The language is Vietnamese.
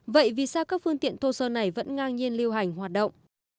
vậy vì sao các phương tiện thô sơ này vẫn ngang nhiên lưu hành hoạt động